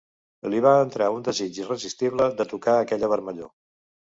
Li va entrar un desig irresistible de tocar aquella vermellor